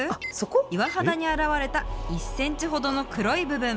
岩肌に現れた、１センチほどの黒い部分。